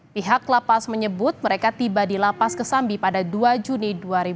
pihak lapas menyebut mereka tiba di lapas kesambi pada dua juni dua ribu dua puluh